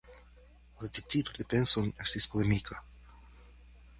La decido de Benson estis polemika.